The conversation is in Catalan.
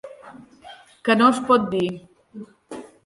Que no es pot dir.